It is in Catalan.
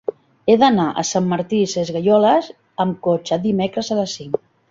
He d'anar a Sant Martí Sesgueioles amb cotxe dimecres a les cinc.